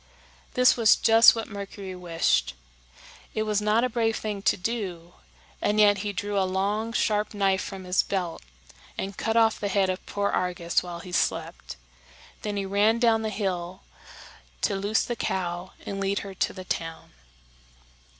This was just what Mercury wished. It was not a brave thing to do, and yet he drew a long, sharp knife from his belt and cut off the head of poor Argus while he slept. Then he ran down the hill to loose the cow and lead her to the town.